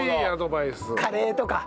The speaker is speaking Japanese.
カレーとか。